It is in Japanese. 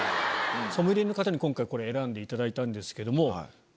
ソムリエの方に今回これ選んでいただいたんですけども。